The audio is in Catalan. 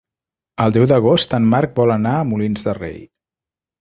El deu d'agost en Marc vol anar a Molins de Rei.